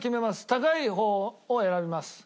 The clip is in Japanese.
高い方を選びます。